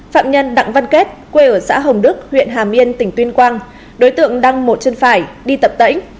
phạm nhân đặng văn kết quê ở xã hồng đức huyện hà miên tỉnh tuyên quang đối tượng đăng một chân phải đi tập tỉnh